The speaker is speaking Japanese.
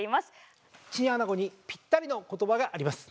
チンアナゴにぴったりの言葉があります。